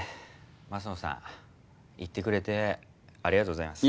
升野さん言ってくれてありがとうございます。